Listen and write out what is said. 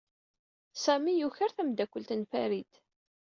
Sami yuker tamdakelt n Farid.